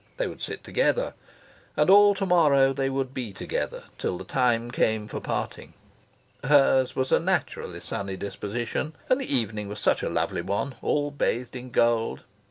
They would sit together. And all to morrow they would be together, till the time came for parting. Hers was a naturally sunny disposition. And the evening was such a lovely one, all bathed in gold.